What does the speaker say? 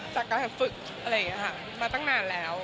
จากการฝึกมาตั้งนานแล้ว